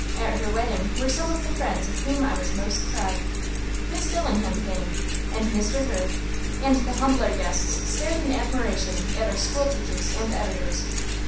At her wedding were some of the friends of whom I was most proud. Miss Dillingham came, and Mr. Hurd; and the humbler guests stared in admiration at our school teachers and editors.